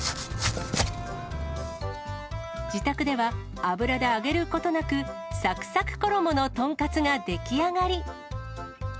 自宅では油で揚げることなく、さくさく衣の豚カツが出来上がり。